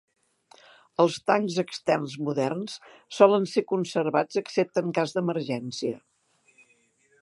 Els tancs externs moderns solen ser conservats excepte en cas d'emergència.